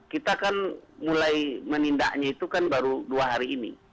kita kan mulai menindaknya itu kan baru dua hari ini